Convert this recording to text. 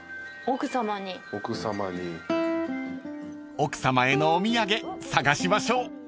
［奥さまへのお土産探しましょう］